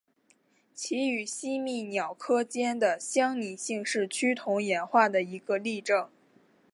其与吸蜜鸟科间的相拟性是趋同演化的一个例证。